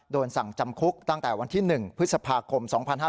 โดนสั่งจำคุกตั้งแต่วันที่๑พฤษภาคม๒๕๕๙